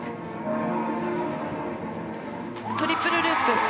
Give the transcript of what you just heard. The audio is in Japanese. トリプルループ。